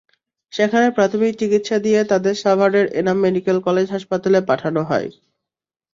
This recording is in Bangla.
সেখানে প্রাথমিক চিকিৎসা দিয়ে তাঁদের সাভারের এনাম মেডিকেল কলেজ হাসপাতালে পাঠানো হয়।